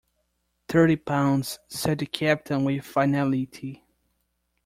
Thirty pounds, said the captain with finality.